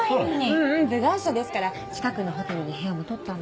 ううん部外者ですから近くのホテルに部屋も取ったんで。